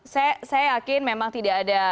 saya yakin memang tidak ada